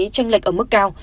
tranh lệch ở mức cao